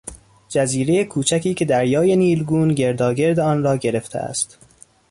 جزیرهی کوچکی که دریای نیلگون گرداگرد آن را گرفته است